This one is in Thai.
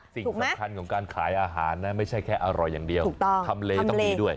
สิ่งสำคัญของการขายอาหารนะไม่ใช่แค่อร่อยอย่างเดียวทำเลต้องดีด้วย